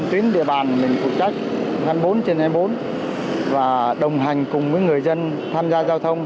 tuyến địa bàn mình phụ trách hai mươi bốn trên hai mươi bốn và đồng hành cùng với người dân tham gia giao thông